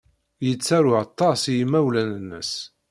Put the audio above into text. Yettaru aṭas i yimawlan-nnes.